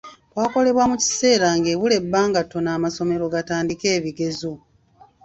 Kwakolebwa mu kiseera ng’ebula ebbanga ttono amasomero gatandike ebigezo.